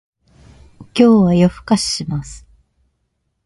今日は夜更かしします